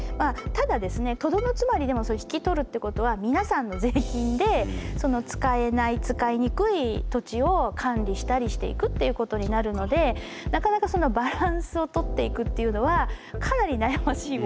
ただですねとどのつまり引き取るってことは皆さんの税金でその使えない使いにくい土地を管理したりしていくっていうことになるのでなかなかそのバランスを取っていくっていうのはかなり悩ましい問題。